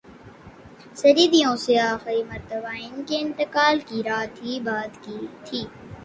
سری دیوی سے اخری مرتبہ انکے انتقال کی رات ہی بات کی تھی